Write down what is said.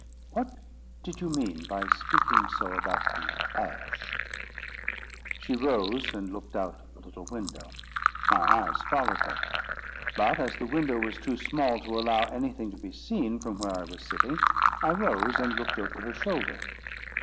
"What did you mean by speaking so about the Ash?" She rose and looked out of the little window. My eyes followed her; but as the window was too small to allow anything to be seen from where I was sitting, I rose and looked over her shoulder.